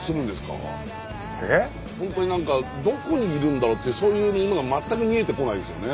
本当に何かどこにいるんだろうってそういうものが全く見えてこないんですよね。